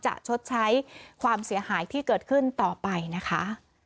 ชดใช้ความเสียหายที่เกิดขึ้นต่อไปนะคะ